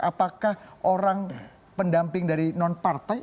apakah orang pendamping dari non partai